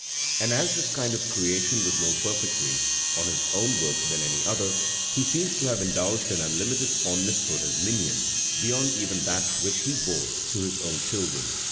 And as this kind of creation was more perfectly his own work than any other, he seems to have indulged an unlimited fondness for his minion, beyond even that which he bore to his own children.